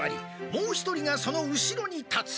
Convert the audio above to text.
もう一人がその後ろに立つ。